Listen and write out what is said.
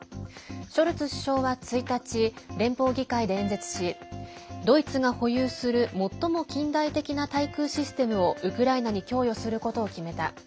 ショルツ首相は１日連邦議会で演説しドイツが保有する最も近代的な対空システムをウクライナに供与することを決めた。